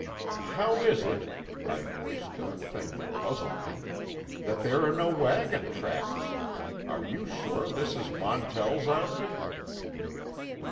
"How is it," I voiced a thing that puzzled me, "that there are no wagon tracks? Are you sure this is Montell's outfit?"